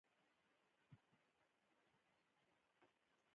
بزګان د افغانستان د جغرافیایي موقیعت یوه پایله ده.